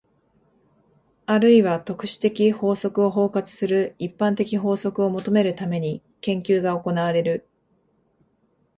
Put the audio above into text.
あるいは特殊的法則を包括する一般的法則を求めるために、研究が行われる。